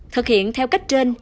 thực hiện theo cách trên